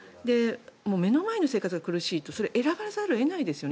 目の前の生活が苦しいとそれを選ばざるを得ないですよね